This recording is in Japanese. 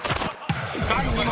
［第２問。